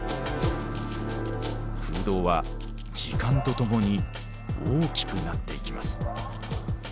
空洞は時間とともに大きくなっていきます。